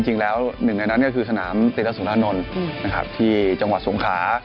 จริงแล้วหนึ่งในนั้นก็คือสนามติรสุนานนลที่จังหวัดสวงขา